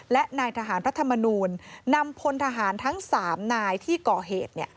และนายทหารพระธรรมนูลนำพลทหารทั้ง๓นายที่ก่อเหตุ